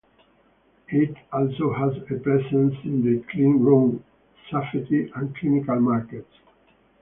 It also has a presence in the cleanroom, safety, and clinical markets.